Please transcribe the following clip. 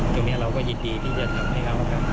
ตรงนี้เราก็ยินดีที่จะทำให้เขา